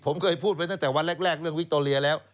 ผมเคยพูดไว้ตั้งแต่วันแรกเรื่องวิคโตเรียแล้ว